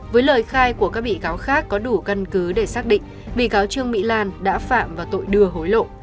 với lời khai của các bị cáo khác có đủ căn cứ để xác định bị cáo trương mỹ lan đã phạm vào tội đưa hối lộ